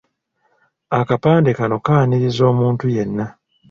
Akapande kano kaaniriza omuntu yenna.